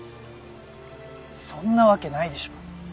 そんなわけないでしょ。